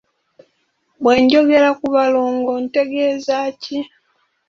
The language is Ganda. Bwe njogera ku balongo ntegeeza ki?